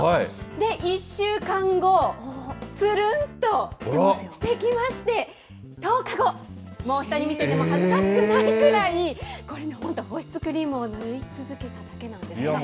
で、１週間後、つるんとしてきまして、１０日後、もう人に見せても恥ずかしくないくらい、これね、本当、保湿クリームを塗り続けただけなんですが。